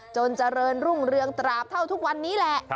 เจริญรุ่งเรืองตราบเท่าทุกวันนี้แหละ